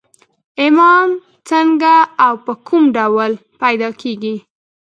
ايمان څنګه او په کوم ډول پيدا کېږي؟